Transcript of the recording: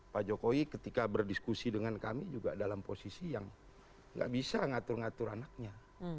pak jokowi ketika berdiskusi dengan kami juga dalam posisi yang nggak bisa ngatur ngatur anaknya